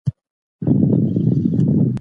که موږ يو ځای سو بريالي کيږو.